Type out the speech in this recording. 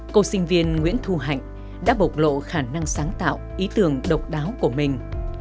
cô sinh viên nguyễn thu hạnh đã bộc lộ khả năng sáng tạo ý tưởng độc đáo của mình